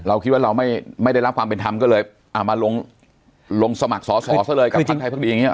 เราคิดว่าเราไม่ได้รับความเป็นธรรมก็เลยเอามาลงลงสมัครสอสอซะเลยกับพักไทยพักดีอย่างนี้